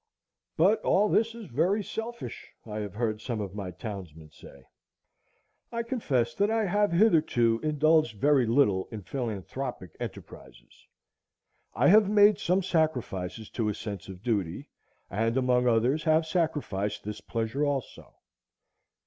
But all this is very selfish, I have heard some of my townsmen say. I confess that I have hitherto indulged very little in philanthropic enterprises. I have made some sacrifices to a sense of duty, and among others have sacrificed this pleasure also.